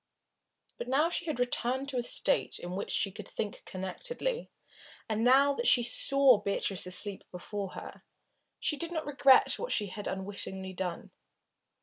But now that she had returned to a state in which she could think connectedly, and now that she saw Beatrice asleep before her, she did not regret what she had unwittingly done.